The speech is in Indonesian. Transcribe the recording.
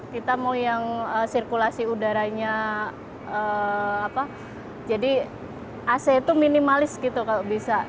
kita mau yang sirkulasi udaranya apa jadi ac itu minimalis gitu kalau bisa